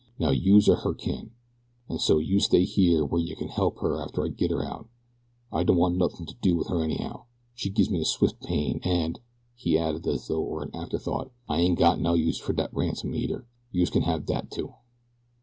Now youse are her kin, an' so youse stay here w'ere yeh can help her after I git her out I don't want nothing to do wid her anyhow. She gives me a swift pain, and," he added as though it were an after thought, "I ain't got no use fer dat ransom eider youse can have dat, too."